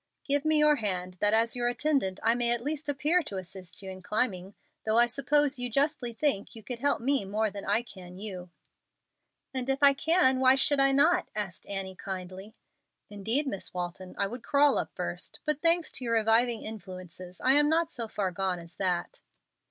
Give me your hand, that as your attendant I may at least appear to assist you in climbing, though I suppose you justly think you could help me more than I can you." "And if I can, why should I not?" asked Annie, kindly. "Indeed, Miss Walton, I would crawl up first. But thanks to your reviving influences, I am not so far gone as that."